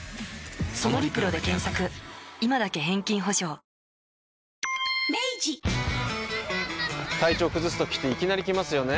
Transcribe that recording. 「ディアナチュラ」体調崩すときっていきなり来ますよね。